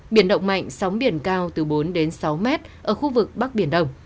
biển động mạnh sóng biển cao từ bốn đến sáu mét ở khu vực bắc biển đông